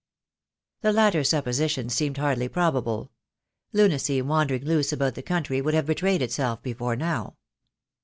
The latter supposition seemed hardly probable. Lunacy wandering loose about the country would have betrayed itself before now.